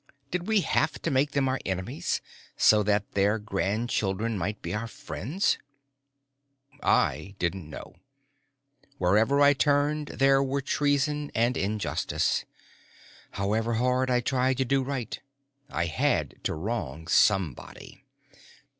Did we have to make them our enemies, so that their grandchildren might be our friends? I didn't know. Wherever I turned, there were treason and injustice. However hard I tried to do right, I had to wrong somebody.